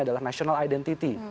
adalah national identity